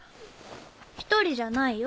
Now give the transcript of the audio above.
１人じゃないよ。